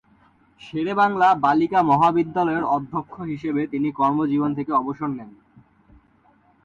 শেরেবাংলা বালিকা মহাবিদ্যালয়ের অধ্যক্ষ হিসেবে তিনি কর্মজীবন থেকে অবসর নেন।